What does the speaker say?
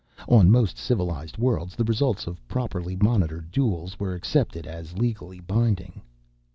On most civilized worlds, the results of properly monitored duels were accepted as legally binding.